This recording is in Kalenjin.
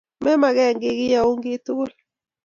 Me magen kiy, kiyaun kit tugul.